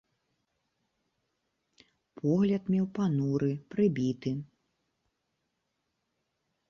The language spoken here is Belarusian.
Погляд меў пануры, прыбіты.